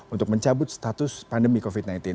untuk mencabut status pandemi covid sembilan belas